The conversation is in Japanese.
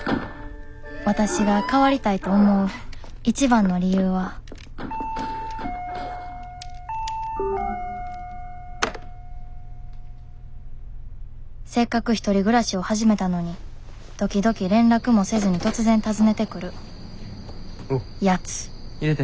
わたしが変わりたいと思う一番の理由はせっかく１人暮らしを始めたのに時々連絡もせずに突然訪ねてくるヤツ入れて。